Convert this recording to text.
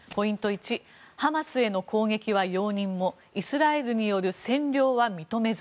１ハマスへの攻撃は容認もイスラエルによる占領は認めず。